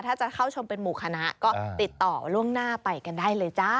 ถ้าจะเข้าชมเป็นหมู่คณะก็ติดต่อล่วงหน้าไปกันได้เลยจ้า